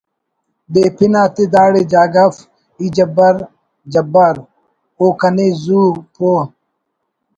بے پن آتے داڑے جاگہ اف ……“ ”ای جبار جبار ……“ او کنے زو پہہ